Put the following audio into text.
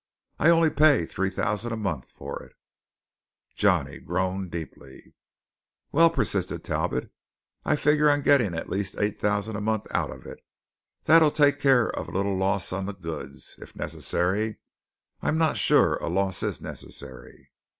I only pay three thousand a month for it." Johnny groaned deeply. "Well," persisted Talbot, "I figure on getting at least eight thousand a month out of it. That'll take care of a little loss on the goods, if necessary. I'm not sure a loss is necessary."